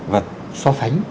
và so sánh